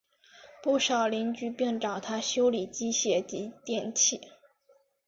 不少邻居并找他修理机械及电器。